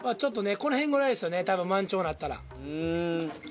この辺ぐらいですよね進満潮になったら。